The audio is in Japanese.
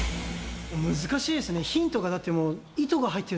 難しいですね、ヒントがだっ